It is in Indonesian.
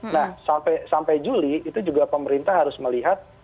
nah sampai juli itu juga pemerintah harus melihat